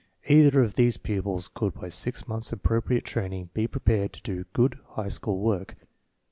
Either of these pupils could by six months' appropriate training be prepared to do good high school work.